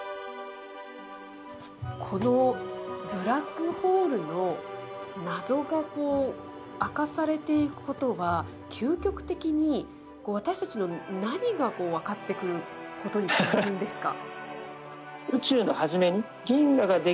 このブラックホールの謎が明かされていくことは究極的に私たちの何が分かってくることにつながるんですか。